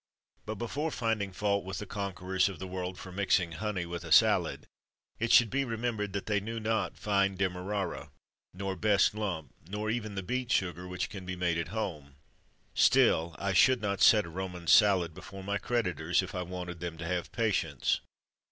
But before finding fault with the conquerors of the world for mixing honey with a salad, it should be remembered that they knew not "fine Demerara," nor "best lump," nor even the beet sugar which can be made at home. Still I should not set a Roman salad before my creditors, if I wanted them to have "patience."